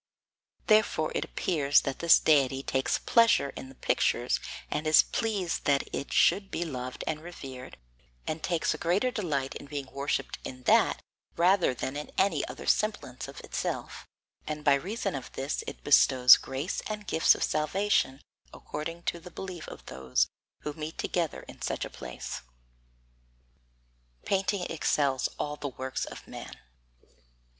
Therefore it appears that this deity takes pleasure in the pictures and is pleased that it should be loved and revered, and takes a greater delight in being worshipped in that rather than in any other semblance of itself, and by reason of this it bestows grace and gifts of salvation according to the belief of those who meet together in such a place. [Sidenote: Painting excels all the Works of Man] 8.